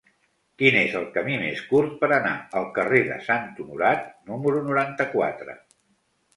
Quin és el camí més curt per anar al carrer de Sant Honorat número noranta-quatre?